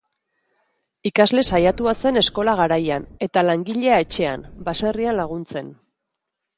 Ikasle saiatua izan zen eskola garaian, eta langilea etxean, baserrian laguntzen.